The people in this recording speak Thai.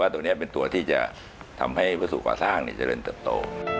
ว่าตรงนี้เป็นตัวที่จะทำให้ประสุนกว่าสร้างจะเริ่มเติบโต